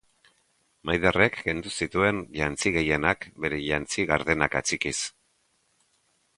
Maiderrek kendu zituen jantzi gehienak bere jantzi gardenak atxikiz.